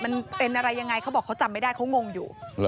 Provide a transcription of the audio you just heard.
มันเป็นอะไรยังไงเขาบอกเขาจำไม่ได้เขางงอยู่